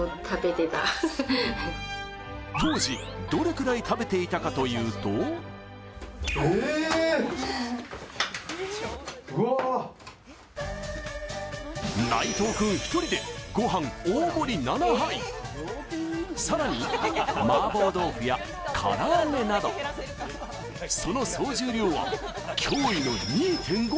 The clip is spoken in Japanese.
当時、どれくらい食べていたかというと内藤君１人でご飯大盛り７杯、更に、麻婆豆腐や唐揚げなど、その総重量は、驚異の２．５ｋｇ。